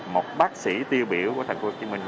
một bác sĩ tiêu biểu của thành phố hồ chí minh